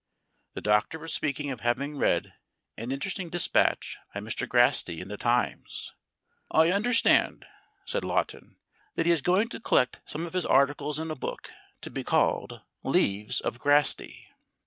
The Doctor was speaking of having read an interesting dispatch by Mr. Grasty in the Times. "I understand," said Lawton, "that he is going to collect some of his articles in a book, to be called 'Leaves of Grasty'."